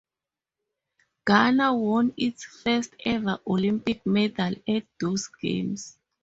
Ghana won its first ever Olympic medal at these Games.